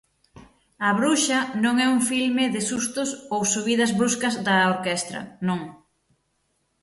A bruxa non é un filme de sustos ou subidas bruscas da orquestra, non.